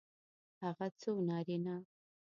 هغه څو نارینه